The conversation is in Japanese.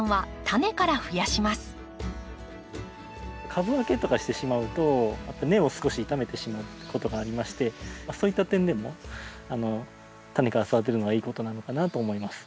株分けとかしてしまうと根を少し傷めてしまうことがありましてそういった点でもタネから育てるのがいいことなのかなと思います。